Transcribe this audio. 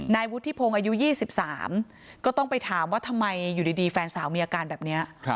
นายวุฒิพงศ์อายุ๒๓ก็ต้องไปถามว่าทำไมอยู่ดีแฟนสาวมีอาการแบบนี้